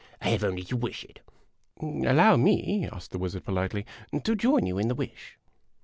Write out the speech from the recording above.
I have only to wish it." "Allow me," asked the wizard, politely, " to join you in the wish."